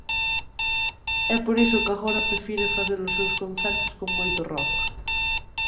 É por iso que agora prefire facer os seus concertos con moito rock.